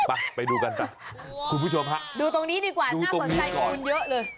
ไปดูกันไปคุณผู้ชมฮะดูตรงนี้ดีกว่าน่าสนใจของคุณเยอะเลย